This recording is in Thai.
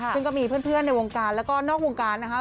เพิ่งก็มีเพื่อนในวงการและก็ทางนอกวงการนะค่ะ